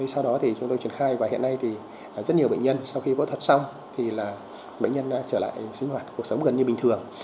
sau đó thì chúng tôi triển khai và hiện nay thì rất nhiều bệnh nhân sau khi phẫu thuật xong thì là bệnh nhân đã trở lại sinh hoạt cuộc sống gần như bình thường